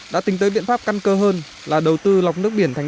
đã tính tới biện pháp căn cơ hơn là đầu tư lọc nước biển thành